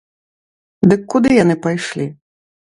Дык куды яны пайшлі?